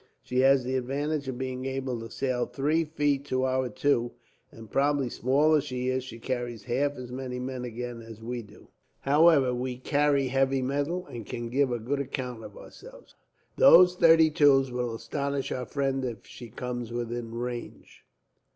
She has the advantage of being able to sail three feet to our two; and probably, small as she is, she carries half as many men again as we do. However, we carry heavy metal, and can give a good account of ourselves. Those thirty twos will astonish our friend, if she comes within range."